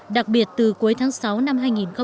đặc biệt từ cuối tháng sáu năm hai nghìn một mươi sáu